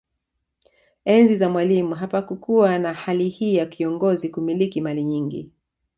Enzi za Mwalimu hapakukuwa na hali hii ya kiongozi kumiliki mali nyingi